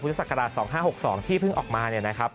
พศ๒๕๖๒ที่เพิ่งออกมา